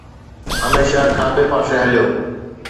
هميشه کاٻي پاسي هليو